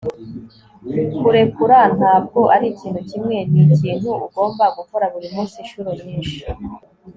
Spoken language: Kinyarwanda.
kurekura ntabwo ari ikintu kimwe, ni ikintu ugomba gukora buri munsi, inshuro nyinshi